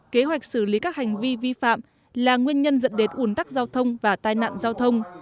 kế hoạch xử lý các hành vi vi phạm là nguyên nhân dẫn đến ủn tắc giao thông và tai nạn giao thông